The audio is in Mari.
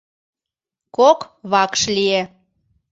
Кок вакш лие.